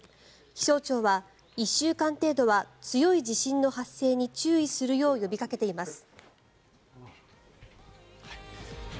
気象庁は、１週間程度は強い地震の発生に注意するよう呼びかけています。